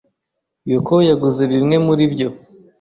Yoko yaguze bimwe muri byo.